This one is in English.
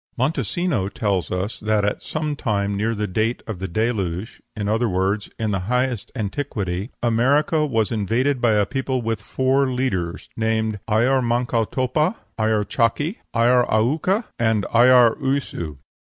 Montesino tells us that at some time near the date of the Deluge, in other words, in the highest antiquity, America was invaded by a people with four leaders, named Ayar manco topa, Ayar chaki, Ayar aucca, and Ayar uyssu.